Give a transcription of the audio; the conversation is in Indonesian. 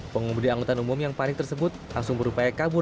pengumum di angkutan umum yang paling tersebut langsung berupaya kabur